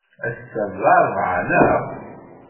Ass-a d laṛebɛa, naɣ?